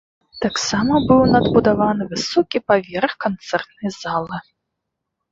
Таксама быў надбудаваны высокі паверх канцэртнай залы.